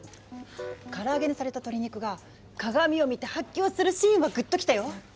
から揚げにされた鶏肉が鏡を見て発狂するシーンはグッときたよ。